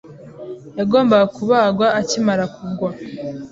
Yagombaga kubagwa akimara kugwa.